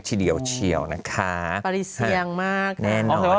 ทีเดียวเฉียวนะคะ